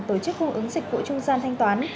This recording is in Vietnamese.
tổ chức cung ứng dịch vụ trung gian thanh toán